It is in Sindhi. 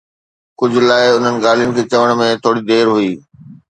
ڪجھ لاءِ، انھن ڳالھين کي چوڻ ۾ ٿوري دير ھئي.